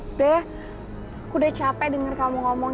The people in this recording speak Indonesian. udah ya aku udah capek denger kamu ngomong